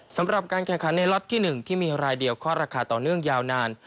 สำหรับการแข่งขันในล็อตที่๑ที่มีรายเดียวข้อราคาต่อเนื่องยาวนาน